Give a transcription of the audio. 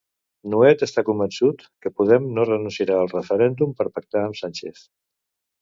Nuet està convençut que Podem no renunciarà al referèndum per pactar amb Sánchez.